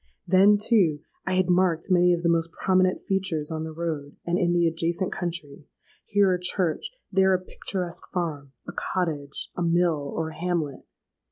Then, too, I had marked many of the most prominent features on the road and in the adjacent country,—here a church—there a picturesque farm—a cottage—a mill—or a hamlet!